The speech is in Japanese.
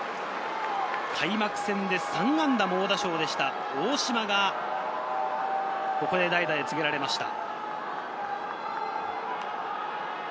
開幕戦で３安打猛打賞でした大島が、ここで代打で告げられました。